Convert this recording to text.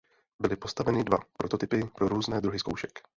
Byly postaveny dva prototypy pro různé druhy zkoušek.